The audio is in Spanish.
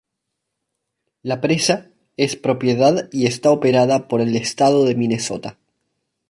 La presa es propiedad y está operada por el estado de Minnesota.